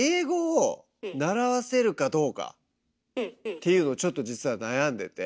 っていうのをちょっと実は悩んでて。